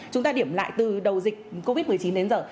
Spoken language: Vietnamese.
chúng ta điểm lại từ đầu dịch covid một mươi chín đến giờ